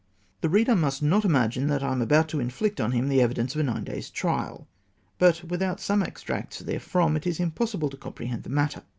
The reader must not imagine that I am about to inflict on him the evidence of a nine days' trial ; but without some extracts therefrom, it is impossible to comprehend the matter.